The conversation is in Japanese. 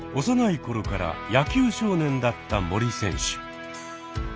幼い頃から野球少年だった森選手。